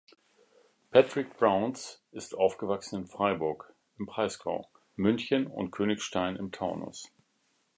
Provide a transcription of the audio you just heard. Patrick Brauns ist aufgewachsen in Freiburg im Breisgau, München und Königstein im Taunus.